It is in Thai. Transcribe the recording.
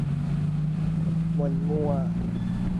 หม่นมัว